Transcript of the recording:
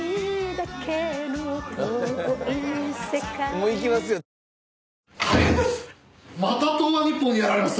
大変です！